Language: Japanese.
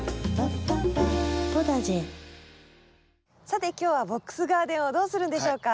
さて今日はボックスガーデンをどうするんでしょうか？